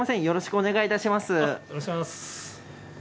よろしくお願いします。